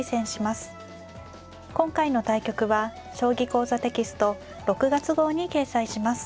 今回の対局は「将棋講座」テキスト６月号に掲載します。